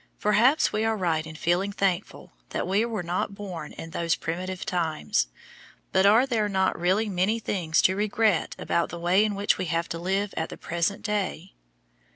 Perhaps we are right in feeling thankful that we were not born in those primitive times, but are there not really many things to regret about the way in which we have to live at the present day?